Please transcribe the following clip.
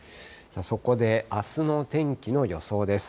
そこであすの天気の予想です。